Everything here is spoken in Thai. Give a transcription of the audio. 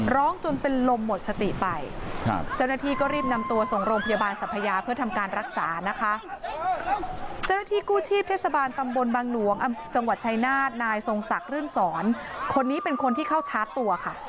ร้องจนเป็นลมหมดสติไปเจรฐีก็รีบนำตัวส่งโรงพยาบาลสัมพยาเพื่อทำการรักษานะคะ